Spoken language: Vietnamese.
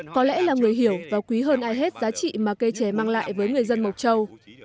có lẽ là người hiểu và quý hơn ai hết giá trị mà cây trẻ mang lại với người dân mộc châu